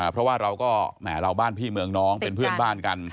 เพราะว่าเราก็แหมเราบ้านพี่เมืองน้องเป็นเพื่อนบ้านกัน